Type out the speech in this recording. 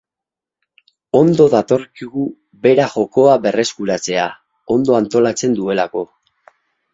Ondo datorkigu bera jokoa berreskuratzea, ondo antolatzen duelako.